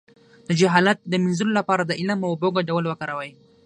د جهالت د مینځلو لپاره د علم او اوبو ګډول وکاروئ